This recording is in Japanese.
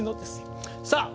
さあ